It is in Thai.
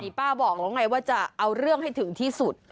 ป้าบอกแล้วไงว่าจะเอาเรื่องให้ถึงที่สุด